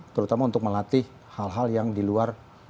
terutama untuk melatih hal hal yang di luar